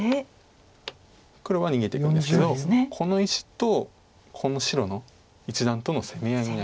黒は逃げていくんですけどこの石とこの白の一団との攻め合いに。